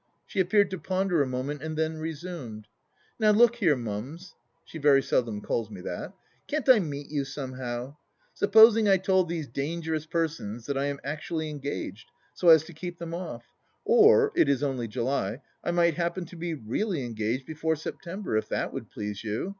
She appeared to ponder a moment and then resumed :" Now look here. Mums (she very seldom calls me that), can't I meet you somehow ? Supposing I told these dangerous persons that I am actually engaged, so as to keep them off ? Or — it is only July — I might happen to be really engaged before September, if that would please you